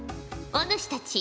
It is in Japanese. お主たち